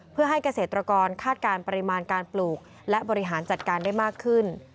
เพื่อให้เกษตรกรคาดการณ์ปริมาณการปลูกและบริหารจัดการได้มากขึ้น